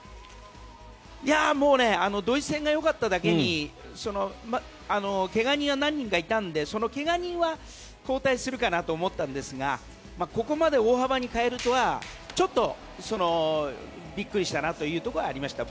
ドイツ戦がよかっただけに怪我人は何人かいたのでその怪我人は交代するかなと思ったんですがここまで大幅に変えるとはちょっとびっくりしたなというところはありました。